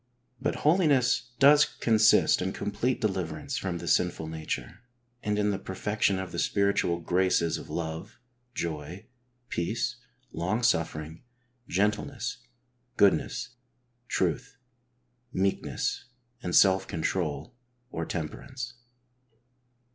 But. holiness does consist in complete deliverance from the sinful nature, and in the perfection of the spiritual graces of love, joy, peace, long suffering, gentleness, goodness, truth, meekness and self control or temperance.